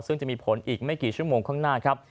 ซึ่งจะมีผลอีกไม่กี่ชั่วโมงข้างหน้าครับ